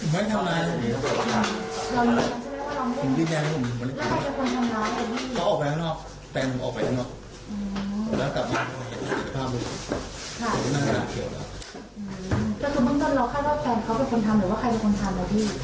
แล้วเพราะมุ่งต้นเค้าเลี้ยงรักแฟนเค้ากับคนทำเดี๋ยวยังไง